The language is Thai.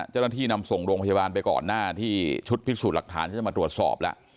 นำส่งโรงพยาบาลไปก่อนหน้าที่ชุดพิสูจน์หลักฐานเขาจะมาตรวจสอบแล้ว